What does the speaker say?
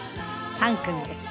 ３組です。